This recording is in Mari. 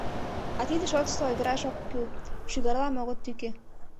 — А тидын шотышто ойгыраш ок кӱл, шӱгарлам огыт тӱкӧ.